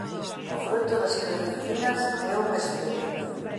O froito das clementinas é un hesperidio.